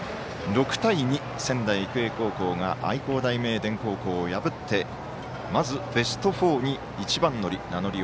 ６対２、仙台育英高校が愛工大名電高校を破ってまず、ベスト４に一番乗り。